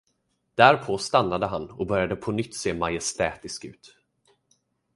Därpå stannade han och började på nytt se majestätisk ut.